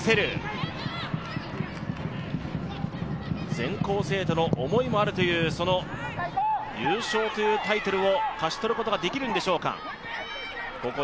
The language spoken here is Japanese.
全校生徒の思いもあるというその優勝というタイトルを勝ち取ることができるんでしょうか。